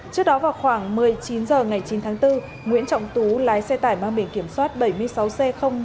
trước đó vào khoảng một mươi chín h ngày chín tháng bốn nguyễn trọng tú lái xe tải mang biển kiểm soát bảy mươi sáu c hai trăm năm mươi bốn